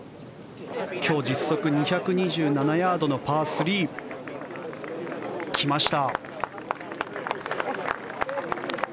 今日、実測２２７ヤードのパー３来ました。